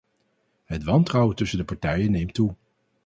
Het wantrouwen tussen de partijen neemt toe.